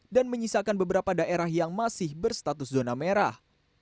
dan menyisakan beberapa daerah yang masih berstatus zona merah